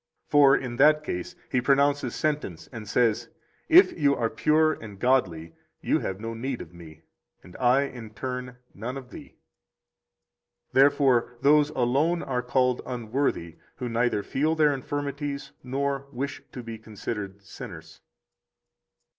For in that case He pronounces sentence and says: 74 If you are pure and godly, you have no need of Me, and I, in turn, none of thee. Therefore those alone are called unworthy who neither feel their infirmities nor wish to be considered sinners.